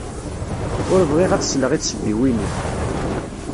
Ur bɣiɣ ad sleɣ i tsebbiwin-ik.